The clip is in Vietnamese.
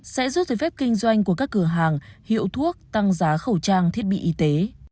sẽ rút giấy phép kinh doanh của các cửa hàng hiệu thuốc tăng giá khẩu trang thiết bị y tế